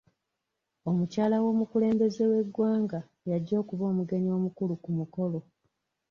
Omukyala w'omukulembeze w'eggwanga y'ajja okuba omugenyi omukulu ku mukolo.